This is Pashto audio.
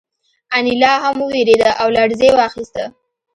انیلا هم وورېده او لړزې واخیسته